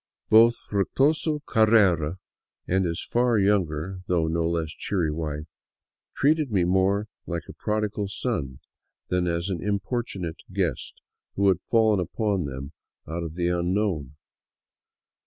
Both Fructuoso Carrera and his far younger, though no less cheery wife, treated me more like a prodigal son than as an im portunate guest who had fallen upon them out of the unknown.